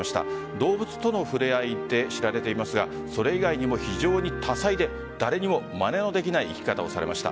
動物との触れ合いで知られていますがそれ以外にも非常に多彩で誰にもまねのできない生き方をされました。